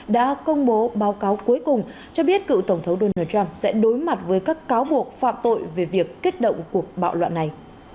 đã công bố báo cáo cuối cùng cho biết cựu tổng thống donald trump sẽ đối mặt với các cáo buộc phạm tội về việc kích động cuộc bạo loạn này